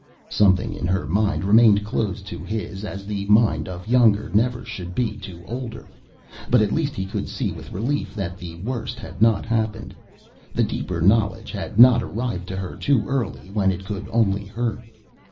Something in her mind remained closed to his, as the mind of younger never should be to older. But at least he could see with relief that the worst had not happened. The deeper knowledge had not arrived to her too early when it could only hurt.